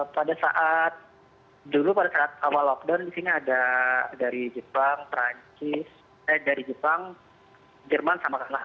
pada saat dulu pada saat awal lockdown di sini ada dari jepang perancis eh dari jepang jerman sama kalah